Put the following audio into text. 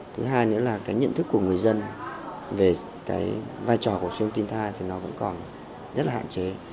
thứ hai nữa là cái nhận thức của người dân về cái vai trò của siêu tim thai thì nó vẫn còn rất là hạn chế